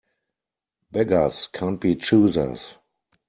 Beggars can't be choosers.